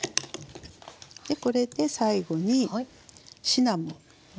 でこれで最後にシナモン。